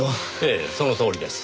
ええそのとおりです。